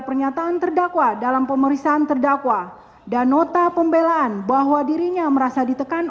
pernyataan terdakwa dalam pemeriksaan terdakwa dan nota pembelaan bahwa dirinya merasa ditekan